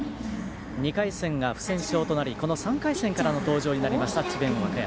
２回戦が不戦勝となりこの３回戦からの登場になりました、智弁和歌山。